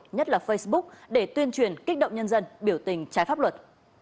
nhất là facebook để tuyên truyền kích động nhân dân biểu tình trái pháp luật